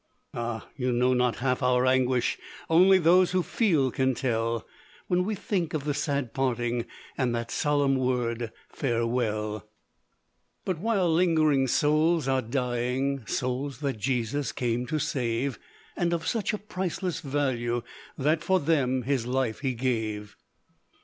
"Ah! you know not half our anguish Only those who feel can tell When we think of the sad parting, And that solemn word farewell. "But while lingering, souls are dying, Souls that Jesus came to save; And of such a priceless value, That for them his life he gave.